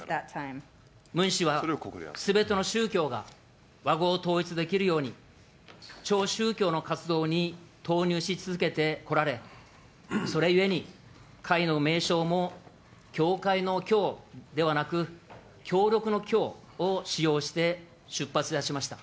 ムン氏はすべての宗教が和合統一できるように、超宗教の活動に投入し続けてこられ、それゆえに、会の名称も、教会の教ではなく、協力の協を使用して出発いたしました。